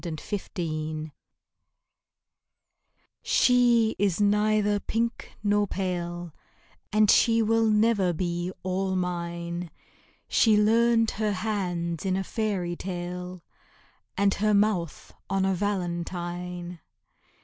Witch Wife She is neither pink nor pale, And she never will be all mine; She learned her hands in a fairy tale, And her mouth on a valentine.